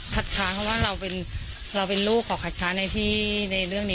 ขัดค้าเพราะว่าเราเป็นเราเป็นลูกของขัดค้าในที่ในเรื่องนี้